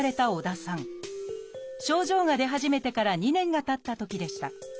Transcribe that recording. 症状が出始めてから２年がたったときでした。